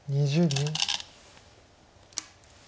２０秒。